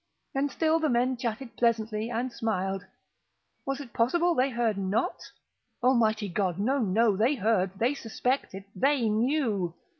And still the men chatted pleasantly, and smiled. Was it possible they heard not? Almighty God!—no, no! They heard!—they suspected!—they knew!